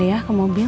mungkin dia ke mobil